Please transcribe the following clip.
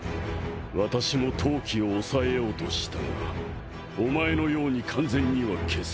私も闘気を抑えようとしたがお前のように完全には消せん。